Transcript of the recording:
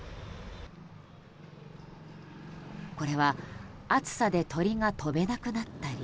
これは暑さで鳥が飛べなくなったり。